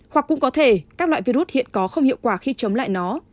hoặc cũng có thể các loại virus hiện có không hiệu quả khi chống lại nó